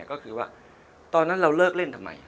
ก็คือว่าตอนนั้นเราเลิกเล่นทำไม